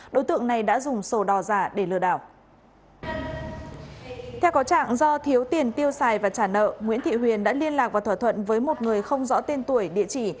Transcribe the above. do thiếu tiền tiêu xài và trả nợ nguyễn thị huyền đã liên lạc và thỏa thuận với một người không rõ tên tuổi địa chỉ